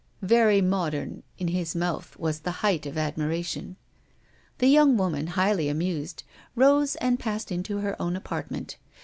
"Very modern" in his mouth was the height of admiration. The young woman, highly amused, rose and passed into her own apartment.